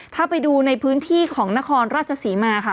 ถ้าไปดูในพื้นที่ของนครราชศรีมาค่ะ